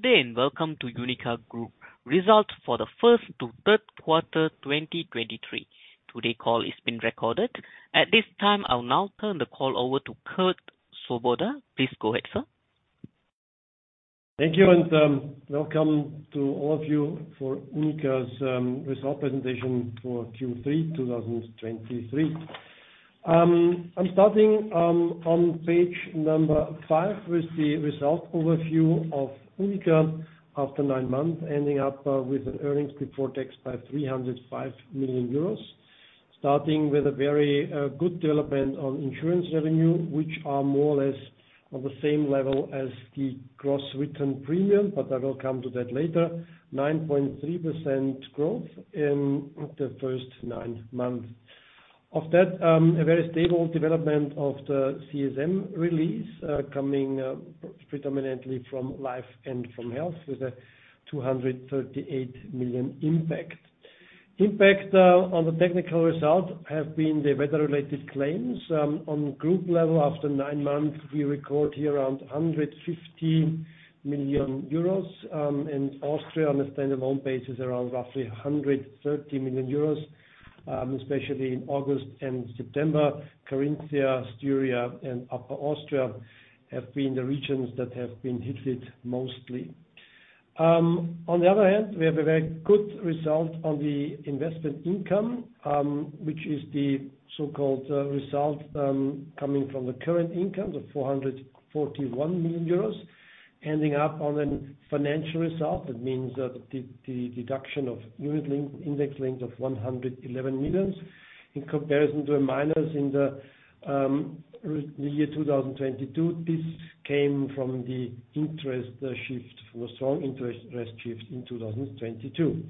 Good day, and welcome to UNIQA Group results for the first to third quarter 2023. Today's call is being recorded. At this time, I'll now turn the call over to Kurt Svoboda. Please go ahead, sir. Thank you, and welcome to all of you for UNIQA's result presentation for Q3 2023. I'm starting on page 5 with the result overview of UNIQA after nine months, ending up with an earnings before tax by 305 million euros. Starting with a very good development on insurance revenue, which are more or less on the same level as the gross written premium, but I will come to that later. 9.3% growth in the first nine months. Of that, a very stable development of the CSM release, coming predominantly from life and from health, with a 238 million impact. Impact on the technical result have been the weather-related claims. On group level, after nine months, we record here around 150 million euros in Austria, on a stand-alone basis, around roughly 130 million euros, especially in August and September. Carinthia, Styria, and Upper Austria have been the regions that have been hit with mostly. On the other hand, we have a very good result on the investment income, which is the so-called result coming from the current income of 441 million euros, ending up on an financial result. That means that the deduction of unit-linked, index-linked of 111 million, in comparison to a minus in the year 2022. This came from the interest shift, from a strong interest shift in 2022.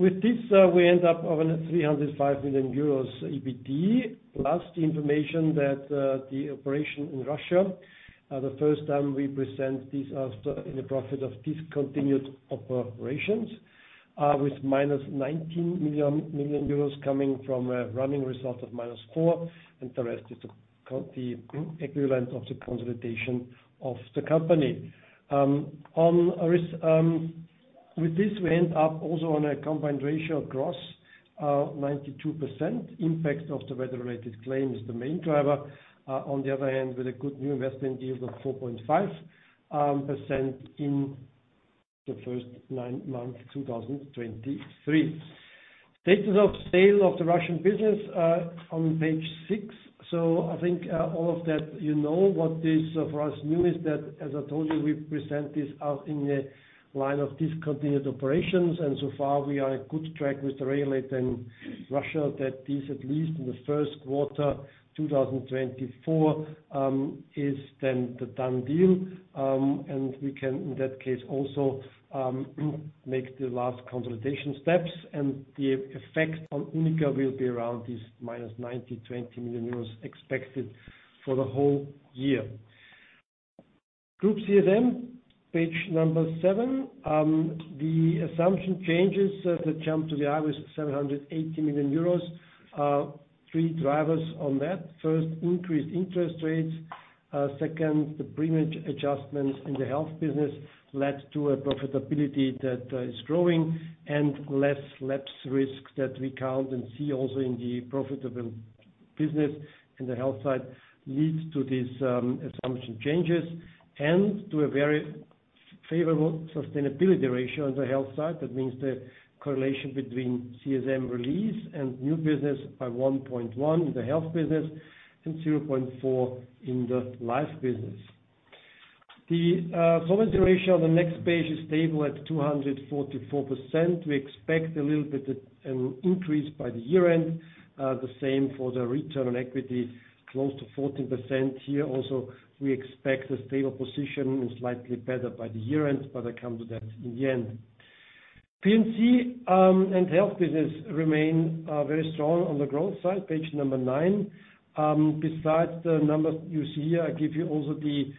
With this, we end up on a 305 million euros EBT. Last information that, the operation in Russia, the first time we present this after in the profit of discontinued operations, with -19 million euros coming from a running result of -4 million, and the rest is the equivalent of the consolidation of the company. With this, we end up also on a combined ratio of gross 92%. Impact of the weather-related claim is the main driver, on the other hand, with a good new investment yield of 4.5% in the first nine months, 2023. Status of sale of the Russian business, on page six. I think all of that, you know, what is for us new is that, as I told you, we present this as a line of discontinued operations, and so far, we are on good track with regard to Russia, that is at least in the first quarter 2024 is then the done deal. And we can, in that case, also make the last consolidation steps, and the effect on UNIQA will be around -92 million euros expected for the whole year. Group CSM, page number seven. The assumption changes that jump to the average 780 million euros. Three drivers on that. First, increased interest rates. Second, the premium adjustments in the health business led to a profitability that is growing and less lapse risk that we count and see also in the profitable business in the health side, leads to these assumption changes and to a very favorable sustainability ratio on the health side. That means the correlation between CSM release and new business by 1.1 in the health business and 0.4 in the life business. The solvency ratio on the next page is stable at 244%. We expect a little bit an increase by the year-end. The same for the return on equity, close to 14% here. Also, we expect a stable position and slightly better by the year-end, but I come to that in the end. P&C and health business remain very strong on the growth side, page number nine. Besides the numbers you see here, I give you also the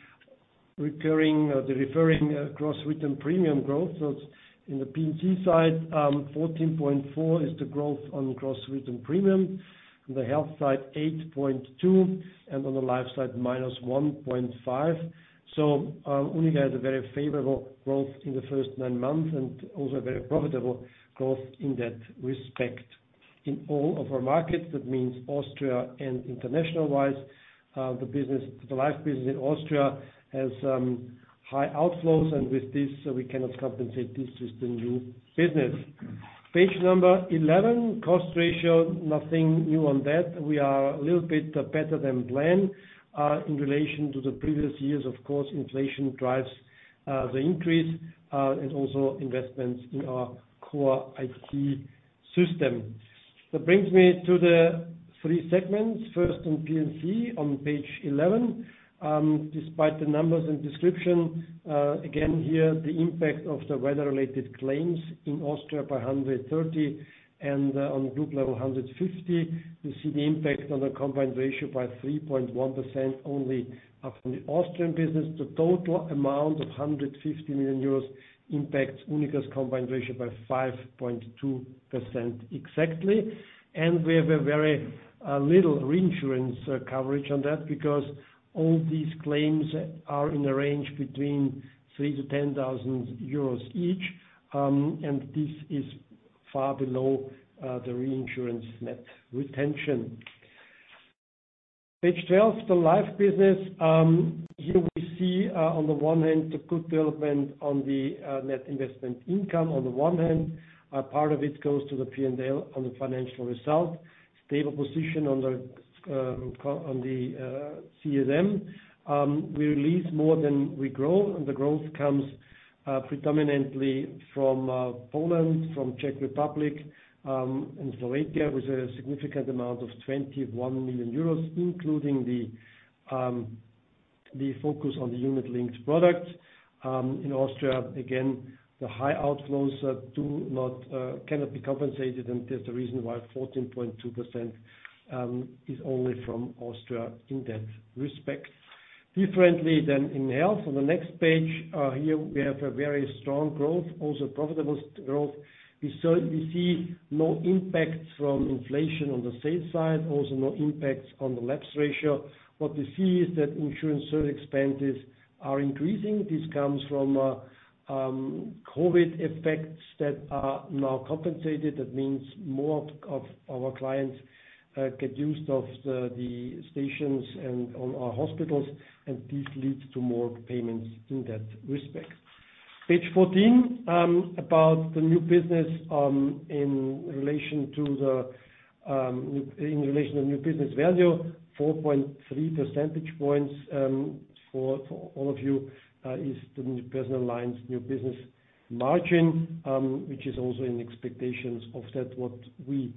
recurring, the referring, gross written premium growth. So in the P&C side, 14.4 is the growth on gross written premium. On the health side, 8.2, and on the life side, -1.5. So, UNIQA has a very favorable growth in the first nine months and also a very profitable growth in that respect. In all of our markets, that means Austria and international-wise, the business, the life business in Austria has high outflows, and with this, so we cannot compensate. This is the new business. Page number 11, cost ratio, nothing new on that. We are a little bit better than planned in relation to the previous years. Of course, inflation drives the increase, and also investments in our core IT system. That brings me to the three segments. First, on P&C, on page 11. Despite the numbers and description, again, here, the impact of the weather-related claims in Austria by 130 and, on group level, 150. You see the impact on the combined ratio by 3.1% only up from the Austrian business. The total amount of 150 million euros impacts UNIQA's combined ratio by 5.2% exactly. And we have a very little reinsurance coverage on that, because all these claims are in the range between 3,000-10,000 euros each, and this is far below the reinsurance net retention. Page 12, the life business. Here we see, on the one hand, the good development on the net investment income on the one hand, a part of it goes to the P&L on the financial result. Stable position on the CSM. We release more than we grow, and the growth comes, predominantly from Poland, from Czech Republic, and Slovakia, with a significant amount of 21 million euros, including the focus on the unit-linked products. In Austria, again, the high outflows cannot be compensated, and that's the reason why 14.2% is only from Austria in that respect. Differently than in health, on the next page, here we have a very strong growth, also profitable growth. We see no impact from inflation on the sales side, also no impacts on the lapse ratio. What we see is that insurance service expenses are increasing. This comes from COVID effects that are now compensated. That means more of our clients get use of the stations and on our hospitals, and this leads to more payments in that respect. Page 14, about the new business, in relation to new business value, 4.3 percentage points, for all of you is the new personal lines new business margin, which is also in expectations of that what we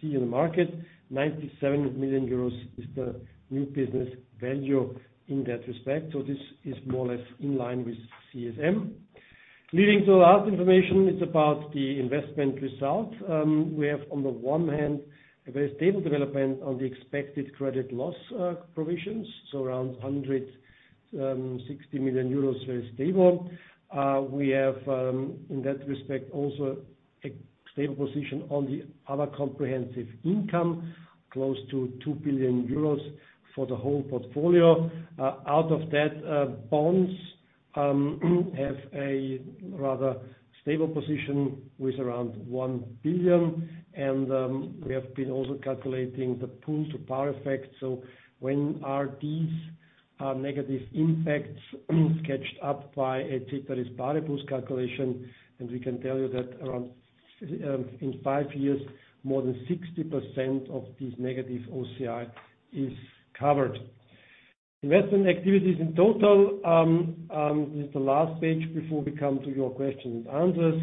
see in the market. 97 million euros is the new business value in that respect, so this is more or less in line with CSM. Leading to the last information, it's about the investment result. We have, on the one hand, a very stable development of the expected credit loss provisions, so around 160 million euros, very stable. We have, in that respect, also a stable position on the other comprehensive income, close to 2 billion euros for the whole portfolio. Out of that, bonds have a rather stable position with around 1 billion, and we have been also calculating the pull to par effect. So when are these negative impacts caught up by a temporary pull to par calculation? And we can tell you that around, in five years, more than 60% of these negative OCI is covered. Investment activities in total, this is the last page before we come to your questions and answers.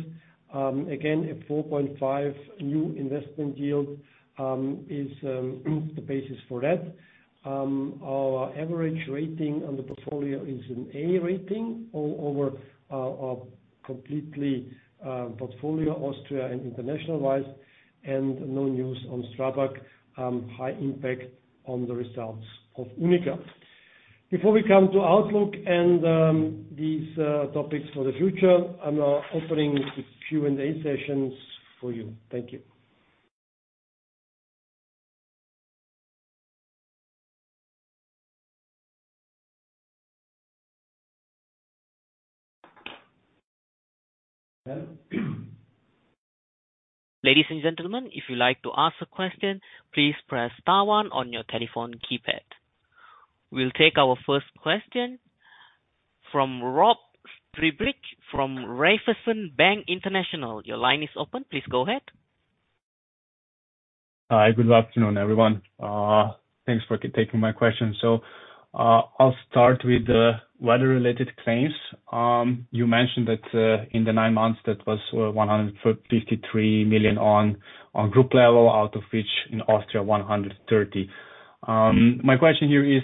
Again, a 4.5% new investment yield is the basis for that. Our average rating on the portfolio is an A rating all over, completely, portfolio, Austria and international wise, and no news on STRABAG, high impact on the results of UNIQA. Before we come to outlook and these topics for the future, I'm now opening the Q&A sessions for you. Thank you. Ladies and gentlemen, if you'd like to ask a question, please press star one on your telephone keypad. We'll take our first question from Rok Friedrich from Raiffeisen Bank International. Your line is open. Please go ahead. Hi, good afternoon, everyone. Thanks for taking my question. I'll start with the weather-related claims. You mentioned that, in the nine months, that was 153 million on group level, out of which in Austria, 130 million. My question here is,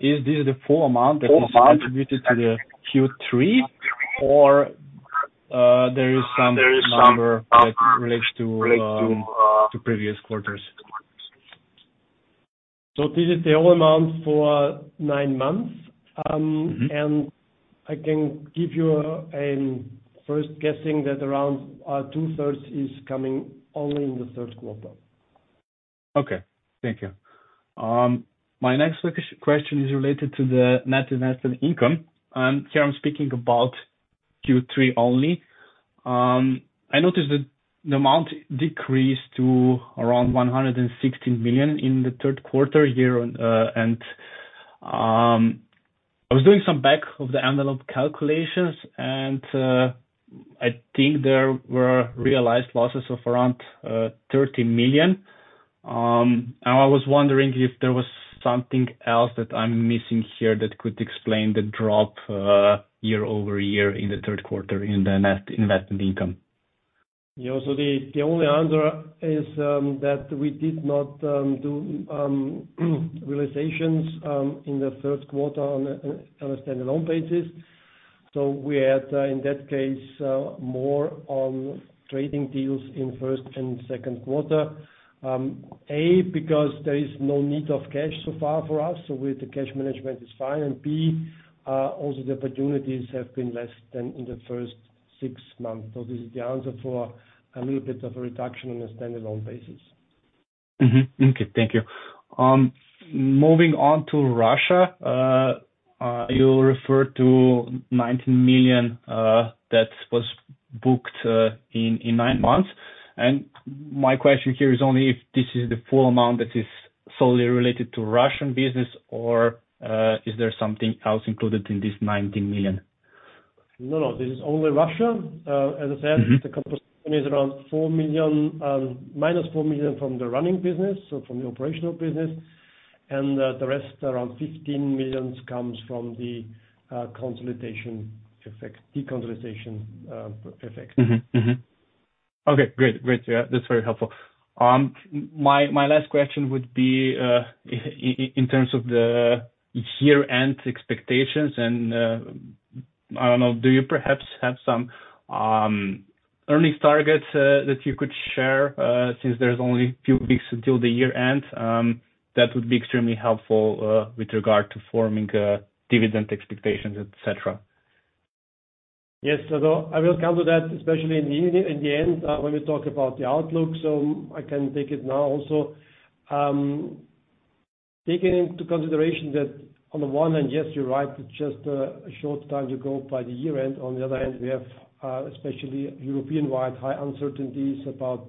is this the full amount that was contributed to the Q3, or there is some number that relates to previous quarters? So this is the whole amount for nine months. Mm-hmm. I can give you first guessing that around two-thirds is coming only in the third quarter. Okay, thank you. My next question is related to the net investment income, and here I'm speaking about Q3 only. I noticed that the amount decreased to around 116 million in the third quarter year-on-year, and I was doing some back of the envelope calculations, and I think there were realized losses of around 30 million. And I was wondering if there was something else that I'm missing here that could explain the drop year-over-year in the third quarter in the net investment income. Yeah. So the only answer is that we did not do realizations in the third quarter on a stand-alone basis. So we had in that case more on trading deals in first and second quarter. A, because there is no need of cash so far for us, so with the cash management is fine, and B, also the opportunities have been less than in the first six months. So this is the answer for a little bit of a reduction on a stand-alone basis.... Mm-hmm. Okay, thank you. Moving on to Russia, you referred to 19 million that was booked in nine months. And my question here is only if this is the full amount that is solely related to Russian business, or is there something else included in this 19 million? No, no, this is only Russia. As I said- Mm-hmm. The composition is around 4 million, minus 4 million from the running business, so from the operational business, and the rest, around 15 million comes from the consolidation effect, deconsolidation effect. Mm-hmm. Mm-hmm. Okay, great. Great. Yeah, that's very helpful. My last question would be in terms of the year-end expectations, and I don't know, do you perhaps have some earnings targets that you could share since there's only a few weeks until the year-end? That would be extremely helpful with regard to forming dividend expectations, et cetera. Yes, so I will come to that, especially in the end, when we talk about the outlook, so I can take it now also. Taking into consideration that on the one hand, yes, you're right, it's just a short time to go by the year-end. On the other hand, we have, especially European-wide, high uncertainties about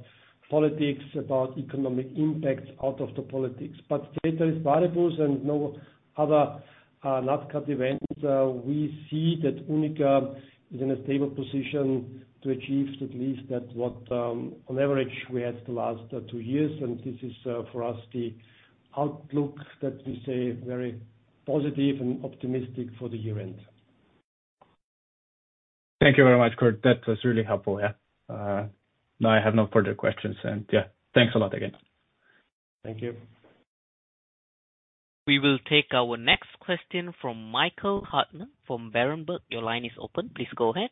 politics, about economic impacts out of the politics. But data is valuable and no other nat cat events, we see that UNIQA is in a stable position to achieve at least that what, on average, we had the last two years. And this is, for us, the outlook that we say very positive and optimistic for the year end. Thank you very much, Kurt. That was really helpful, yeah. Now I have no further questions, and, yeah, thanks a lot again. Thank you. We will take our next question from Michael Huttner from Berenberg. Your line is open. Please go ahead.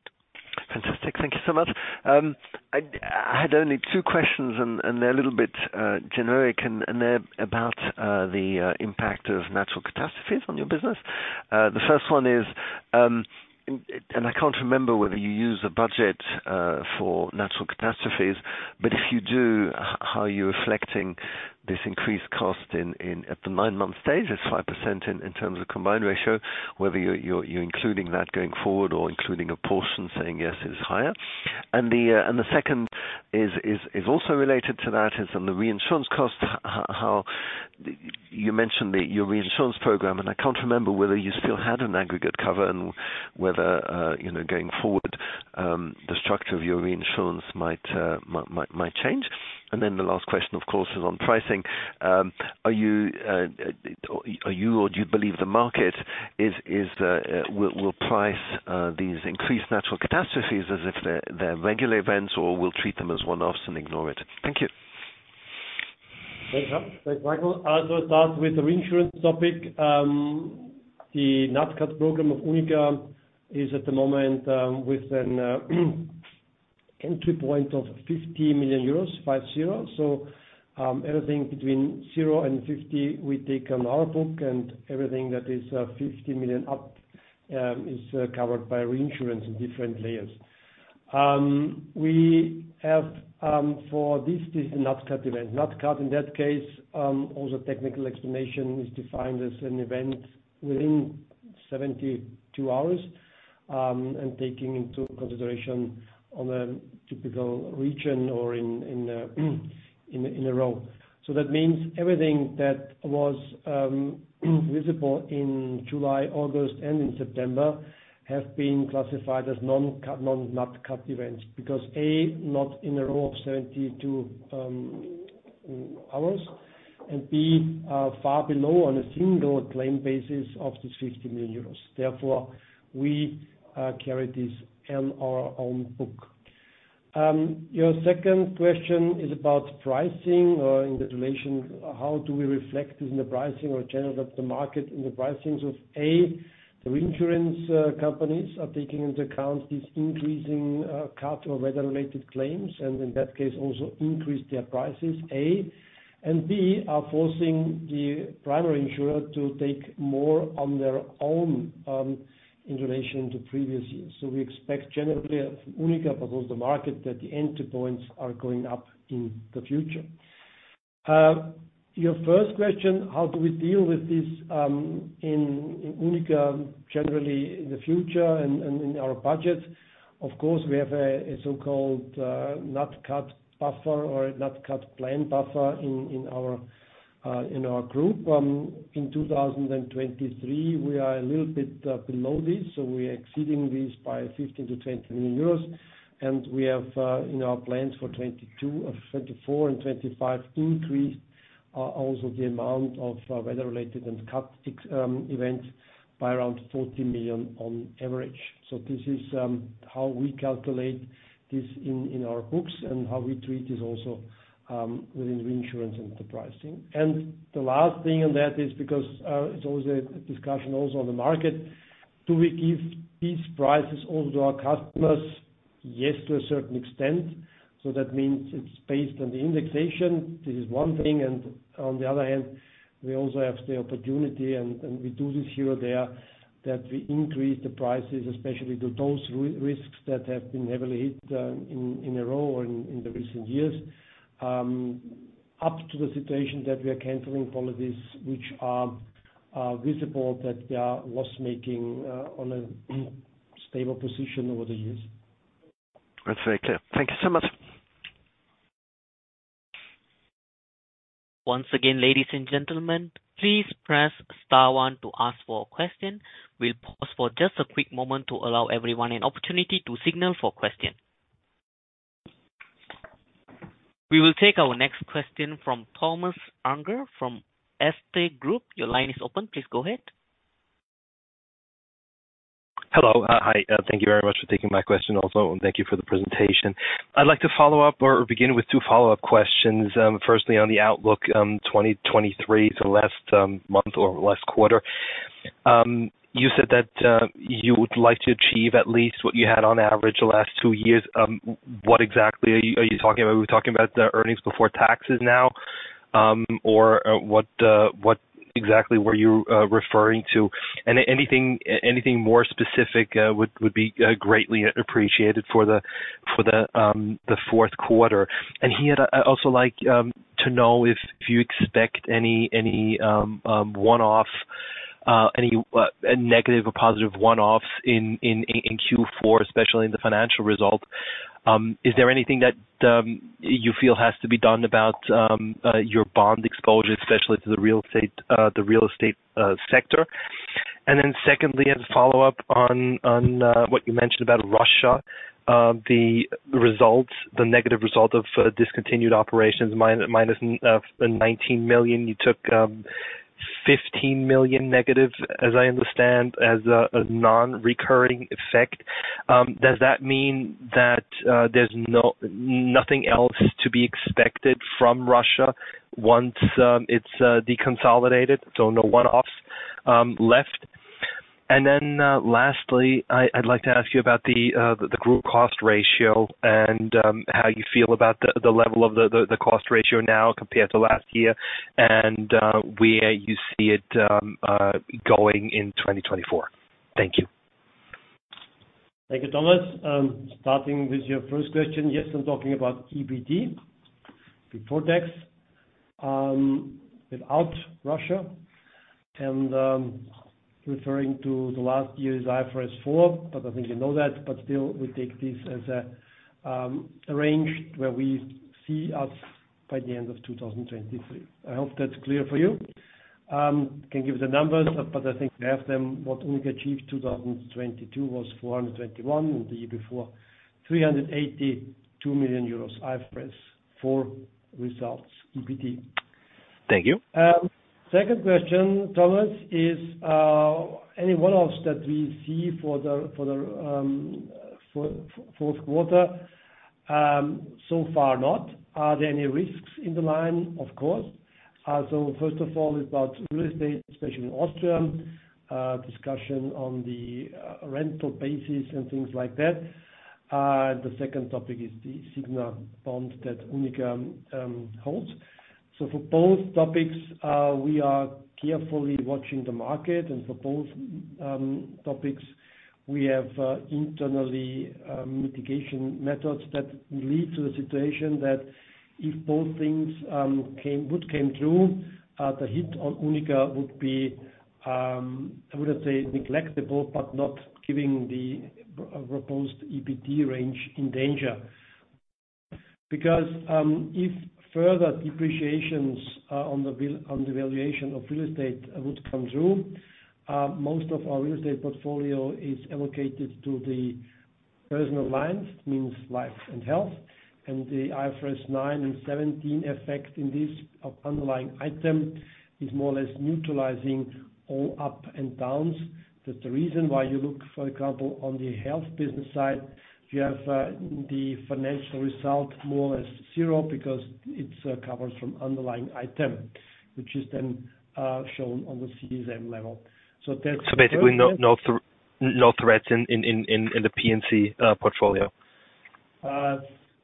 Fantastic. Thank you so much. I had only two questions, and they're a little bit generic, and they're about the impact of natural catastrophes on your business. The first one is, and I can't remember whether you use the budget for natural catastrophes, but if you do, how are you reflecting this increased cost in at the nine-month stage, it's 5% in terms of Combined Ratio, whether you're including that going forward or including a portion, saying yes, it's higher. And the second is also related to that, is on the reinsurance cost, how you mentioned that your reinsurance program, and I can't remember whether you still had an aggregate cover and whether you know, going forward, the structure of your reinsurance might change. And then the last question, of course, is on pricing. Do you believe the market will price these increased natural catastrophes as if they're regular events, or will treat them as one-offs and ignore it? Thank you. Thanks, Michael. I'll start with the reinsurance topic. The nat cat program of UNIQA is at the moment, with an entry point of 50 million euros, 50. So, everything between 0 and 50, we take on our book, and everything that is, 50 million up, is covered by reinsurance in different layers. We have, for this is a nat cat event. Nat cat, in that case, also technical explanation is defined as an event within 72 hours, and taking into consideration on a typical region or in a row. So that means everything that was, visible in July, August, and in September have been classified as non-nat cat events. Because, A, not in a row of 72 hours, and B, are far below on a single claim basis of this 50 million euros. Therefore, we carry this on our own book. Your second question is about pricing or in the relation, how do we reflect in the pricing or general of the market, in the pricings of: A, the reinsurance companies are taking into account this increasing cat or weather-related claims, and in that case, also increase their prices, A. And B, are forcing the primary insurer to take more on their own, in relation to previous years. So we expect generally at UNIQA proposed the market, that the entry points are going up in the future. Your first question, how do we deal with this, in UNIQA, generally in the future and in our budget? Of course, we have a so-called Nat Cat buffer or Nat Cat plan buffer in our group. In 2023, we are a little bit below this, so we're exceeding this by 15 million-20 million euros. And we have in our plans for 2022, 2024 and 2025, increase also the amount of weather-related and cat events by around 40 million on average. So this is how we calculate this in our books and how we treat this also within reinsurance and the pricing. And the last thing, and that is because it's always a discussion also on the market: Do we give these prices over to our customers? Yes, to a certain extent. So that means it's based on the indexation. This is one thing. On the other hand, we also have the opportunity, and we do this here or there, that we increase the prices, especially to those risks that have been heavily hit in a row or in the recent years. Up to the situation that we are canceling policies which are visible, that they are loss-making on a stable position over the years. That's very clear. Thank you so much. Once again, ladies and gentlemen, please press star one to ask for a question. We'll pause for just a quick moment to allow everyone an opportunity to signal for question. We will take our next question from Thomas Unger from Erste Group. Your line is open. Please go ahead. Hello. Hi, thank you very much for taking my question also, and thank you for the presentation. I'd like to follow up or begin with two follow-up questions. Firstly, on the outlook, 2023, so last month or last quarter. You said that you would like to achieve at least what you had on average the last two years. What exactly are you talking about? Are you talking about the earnings before taxes now, or what exactly were you referring to? And anything more specific would be greatly appreciated for the fourth quarter. And here, I'd also like to know if you expect any one-off, any negative or positive one-offs in Q4, especially in the financial result. Is there anything that you feel has to be done about your bond exposure, especially to the real estate sector? And then secondly, as a follow-up on what you mentioned about Russia, the results, the negative result of discontinued operations, minus 19 million, you took 15 million negative, as I understand, as a non-recurring effect. Does that mean that there's nothing else to be expected from Russia once it's deconsolidated, so no one-offs left? And then lastly, I'd like to ask you about the group cost ratio and how you feel about the level of the cost ratio now compared to last year, and where you see it going in 2024. Thank you. Thank you, Thomas. Starting with your first question, yes, I'm talking about EBT, before tax, without Russia, and referring to the last year's IFRS 4, but I think you know that, but still, we take this as a range where we see us by the end of 2023. I hope that's clear for you. Can give the numbers, but I think we have them. What we achieved 2022 was 421 million, and the year before, 382 million euros, IFRS 4 results, EBT. Thank you. Second question, Thomas, is any one-offs that we see for the fourth quarter so far not. Are there any risks in the line? Of course. So first of all, it's about real estate, especially in Austria, discussion on the rental basis and things like that. The second topic is the SIGNA bond that UNIQA holds. So for both topics, we are carefully watching the market, and for both topics, we have internally mitigation methods that lead to a situation that if both things came, would come through, the hit on UNIQA would be, I wouldn't say negligible, but not giving the proposed EBT range in danger. Because, if further depreciations on the valuation of real estate would come through, most of our real estate portfolio is allocated to the personal lines, means life and health, and the IFRS 9 and 17 effect in this of underlying item is more or less neutralizing all ups and downs. That's the reason why you look, for example, on the health business side, you have the financial result more or less zero, because it covers from underlying item, which is then shown on the CSM level. So there- So basically, no threats in the P&C portfolio?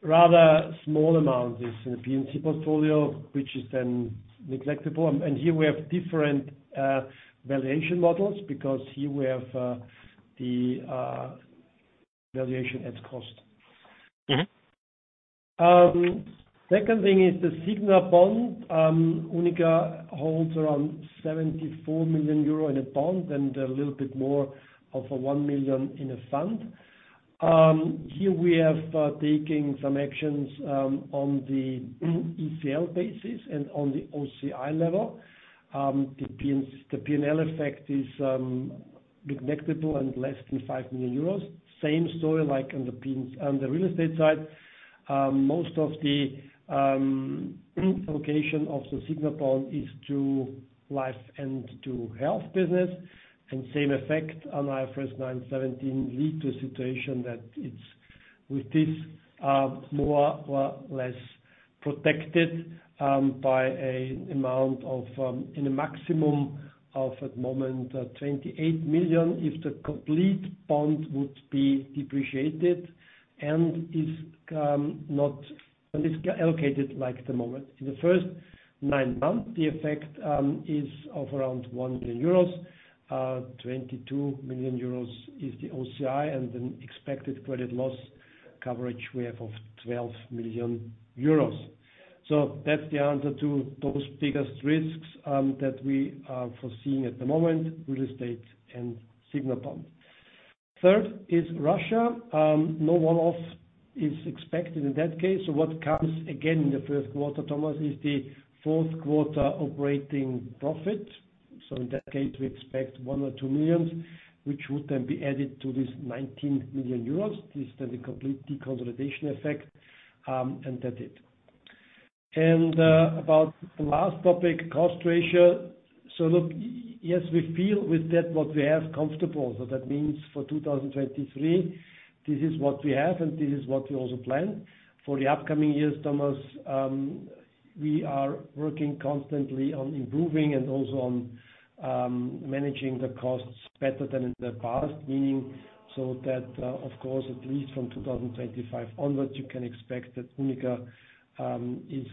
Rather small amounts is in the P&C portfolio, which is then neglectable. And here we have different valuation models, because here we have the valuation at cost. Mm-hmm. Second thing is the SIGNA bond. UNIQA holds around 74 million euro in a bond and a little bit more than 1 million in a fund. Here we have taking some actions on the ECL basis and on the OCI level. The P&L effect is negligible and less than 5 million euros. Same story like on the real estate side. Most of the allocation of the SIGNA bond is to life and to health business, and same effect on IFRS 9/17 lead to a situation that it's, with this, more or less protected by an amount of, in a maximum of, at the moment, 28 million, if the complete bond would be depreciated and is not, and is allocated like the moment. In the first nine months, the effect is of around 1 million euros. Twenty-two million euros is the OCI, and the expected credit loss coverage we have of 12 million euros. So that's the answer to those biggest risks that we are foreseeing at the moment, real estate and SIGNA bond. Third is Russia. No one-off is expected in that case. So what comes again in the first quarter, Thomas, is the fourth quarter operating profit. So in that case, we expect one or two millions, which would then be added to this 19 million euros. This is then the complete deconsolidation effect, and that's it. About the last topic, cost ratio. So look, yes, we feel with that what we have comfortable. So that means for 2023, this is what we have, and this is what we also plan. For the upcoming years, Thomas, we are working constantly on improving and also on managing the costs better than in the past. Meaning, so that, of course, at least from 2025 onwards, you can expect that UNIQA is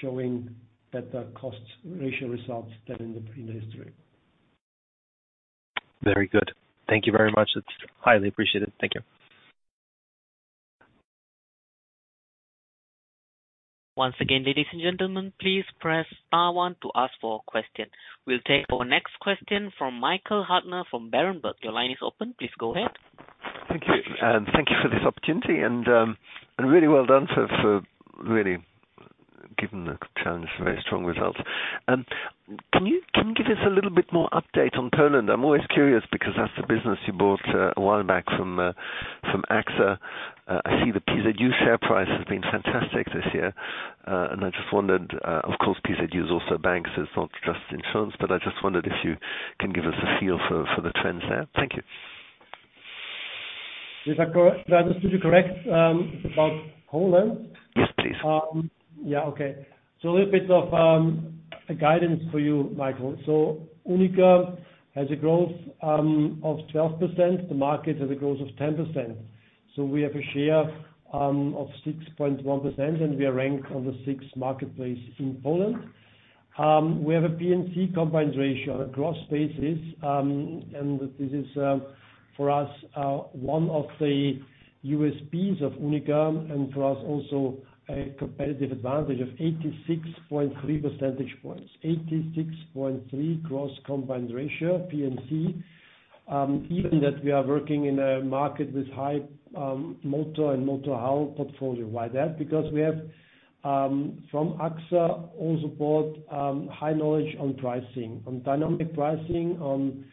showing better cost ratio results than in the history. Very good. Thank you very much. It's highly appreciated. Thank you. Once again, ladies and gentlemen, please press star one to ask for a question. We'll take our next question from Michael Huttner from Berenberg. Your line is open. Please go ahead. Thank you, and thank you for this opportunity, and really well done for really giving the challenge very strong results. Can you give us a little bit more update on Poland? I'm always curious because that's the business you bought a while back from AXA. I see the PZU share price has been fantastic this year, and I just wondered, of course, PZU is also a bank, so it's not just insurance, but I just wondered if you can give us a feel for the trends there. Thank you. Did I understand you correct about Poland? Yes, please. Yeah, okay. So a little bit of a guidance for you, Michael. So UNIQA has a growth of 12%. The market has a growth of 10%. So we have a share of 6.1%, and we are ranked on the 6th marketplace in Poland. We have a P&C combined ratio, gross basis, and this is for us one of the USPs of UNIQA and for us also a competitive advantage of 86.3 percentage points. 86.3 gross combined ratio, P&C. Even that we are working in a market with high motor and motor hull portfolio. Why that? Because we have from AXA also brought high knowledge on pricing, on dynamic pricing, on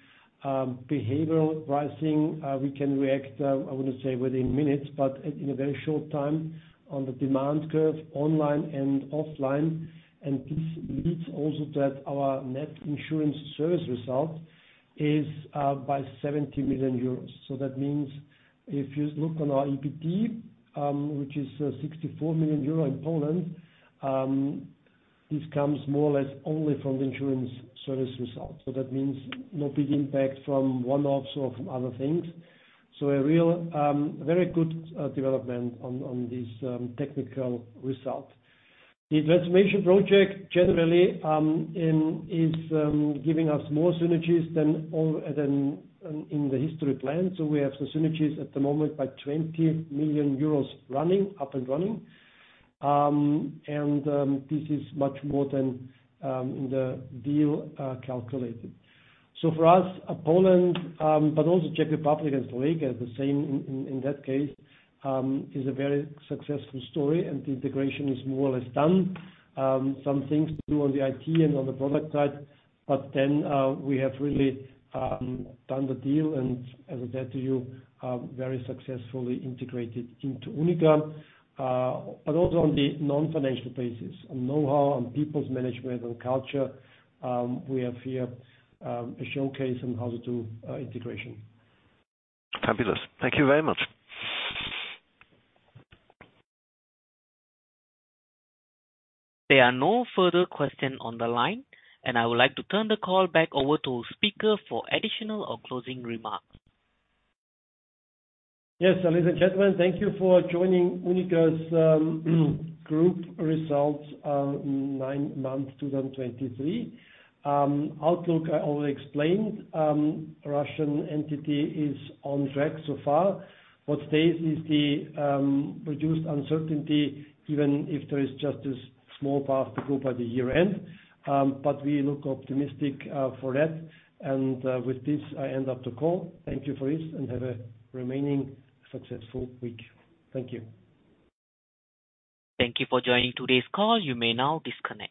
behavioral pricing. We can react, I wouldn't say within minutes, but in a very short time on the demand curve, online and offline. And this leads also that our net insurance service result is by 70 million euros. So that means if you look on our EBT, which is 64 million euros in Poland, this comes more or less only from the insurance service results. So that means no big impact from one-offs or from other things. So a real very good development on this technical result. The transformation project generally is giving us more synergies than all, than in the history plan. So we have the synergies at the moment by 20 million euros running, up and running. And this is much more than the deal calculated. So for us, Poland, but also Czech Republic and Slovakia, the same in that case, is a very successful story, and the integration is more or less done. Some things to do on the IT and on the product side, but then, we have really, done the deal, and as I said to you, very successfully integrated into UNIQA. But also on the non-financial basis, on know-how, on people's management and culture, we have here, a showcase on how to do, integration. Fabulous. Thank you very much. There are no further questions on the line, and I would like to turn the call back over to speaker for additional or closing remarks. Yes, ladies and gentlemen, thank you for joining UNIQA's group results, nine months 2023. Outlook, I already explained. Russian entity is on track so far. What stays is the reduced uncertainty, even if there is just a small path to go by the year-end, but we look optimistic for that. And with this, I end up the call. Thank you for this, and have a remaining successful week. Thank you. Thank you for joining today's call. You may now disconnect.